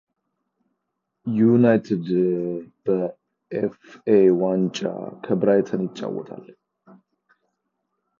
ዩናይትድ በኤፍኤ ዋንጫ ከብራይተን ይጫወታል።